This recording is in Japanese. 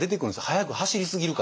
速く走りすぎるから。